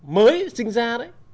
mới sinh ra đấy